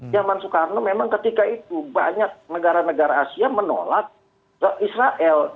zaman soekarno memang ketika itu banyak negara negara asia menolak israel